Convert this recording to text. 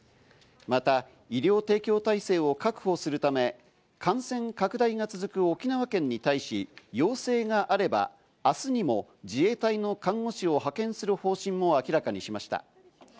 また、医療提供体制を確保するため、感染拡大が続く沖縄県に対し要請があれば明日にも自衛隊の看護師を派遣する方針も明らかにしました。